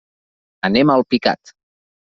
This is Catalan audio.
Anem a Alpicat.